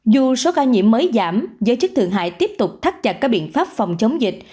dù số ca nhiễm mới giảm giới chức thượng hải tiếp tục thắt chặt các biện pháp phòng chống dịch